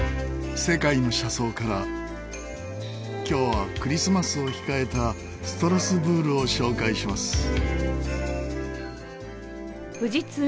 今日はクリスマスを控えたストラスブールを紹介します。